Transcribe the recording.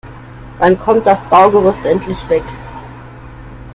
Wann kommt das Baugerüst endlich weg?